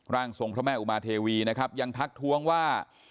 ร่างทรงพระแม่อุมาเทวียังทักทวงว่า